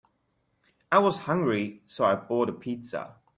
I was hungry, so I bought a pizza.